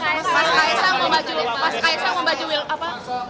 mas kaesang mau baju walcott depok